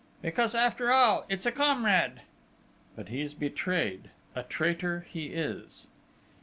"Why, because, after all, it's a comrade!" "But he's betrayed a traitor he is!"